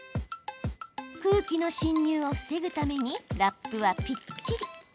空気の侵入を防ぐためにラップはぴっちり。